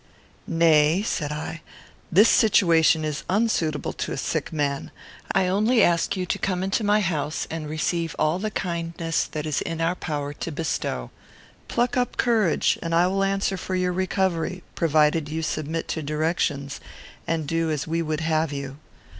"Nay," said I, "this situation is unsuitable to a sick man. I only ask you to come into my house, and receive all the kindness that it is in our power to bestow. Pluck up courage, and I will answer for your recovery, provided you submit to directions, and do as we would have you.